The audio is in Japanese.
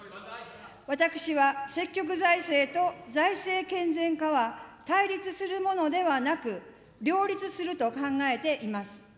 私は積極財政と財政健全化は対立するものではなく、両立すると考えています。